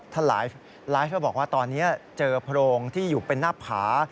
ไลฟ์เขาบอกว่าตอนนี้เจอโพรงที่อยู่เป็นหน้าผา